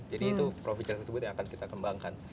jadi itu pro fitur tersebut yang akan kita kembangkan